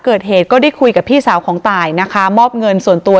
เกิดเหตุก็ได้คุยกับพี่สาวของตายนะคะมอบเงินส่วนตัว